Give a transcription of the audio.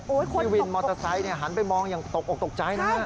พี่วินมอเตอร์ไซค์หันไปมองอย่างตกออกตกใจนะฮะ